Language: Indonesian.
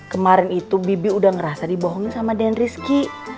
kemarin itu bibi udah ngerasa dibohongin sama dendriski